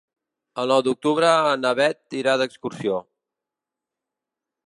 El nou d'octubre na Bet irà d'excursió.